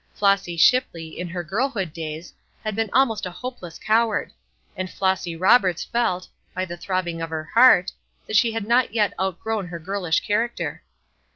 Flossy Shipley, in her girlhood days, had been almost a hopeless coward; and Flossy Roberts felt, by the throbbing of her heart, that she had not yet outgrown her girlish character.